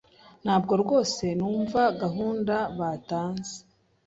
Ntabwo rwose numva gahunda batanze.